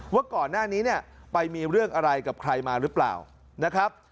ว่าก่อนหน้านี้ไปมีเรื่องอะไรกับใครมาหรือเปล่า